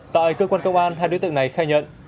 tại cơ quan công an hai đối tượng này khai nhận